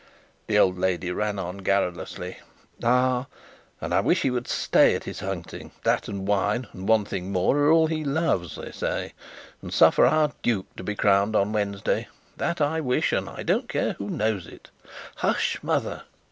The old lady ran on garrulously: "Ah, and I wish he would stay at his hunting that and wine (and one thing more) are all he loves, they say and suffer our duke to be crowned on Wednesday. That I wish, and I don't care who knows it." "Hush, mother!"